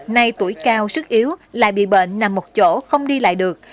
nay tuổi cao sức yếu lại bị bệnh nằm một chỗ không đi lại được